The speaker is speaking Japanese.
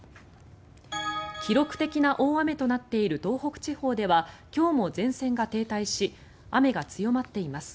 記録的な大雨となっている東北地方では今日も前線が停滞し雨が強まっています。